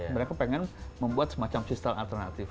mereka pengen membuat semacam sistem alternatif